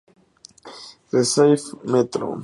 Recife Metro.